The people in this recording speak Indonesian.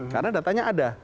karena datanya ada